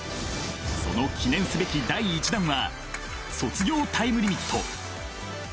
その記念すべき第１弾は「卒業タイムリミット」。